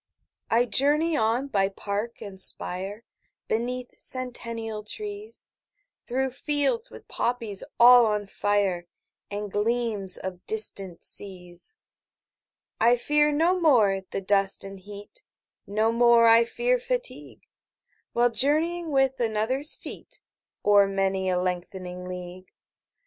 20 I journey on by park and spire, Beneath centennial trees, Through fields with poppies all on fire, And gleams of distant seas. I fear no more the dust and heat, 25 No more I fear fatigue, While journeying with another's feet O'er many a lengthening league.